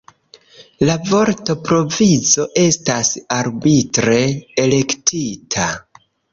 La vortprovizo estas arbitre elektita.